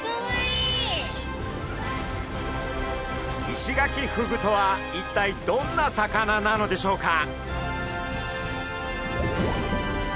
イシガキフグとは一体どんな魚なのでしょうか？